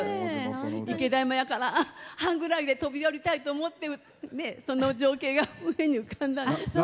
池田山からハングライダーで飛び降りたいと思ってその情景が目に浮かんだんです。